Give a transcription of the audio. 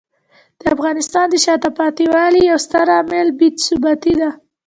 د افغانستان د شاته پاتې والي یو ستر عامل بې ثباتي دی.